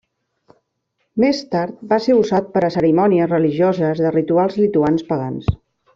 Més tard va ser usat per a cerimònies religioses de rituals lituans pagans.